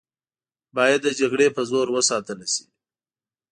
باید د جګړې په زور وساتله شي.